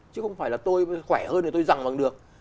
chứ không phải là tôi khỏe hơn thì tôi rằng bằng được